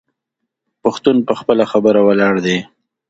پښتون په خپله خبره ولاړ دی.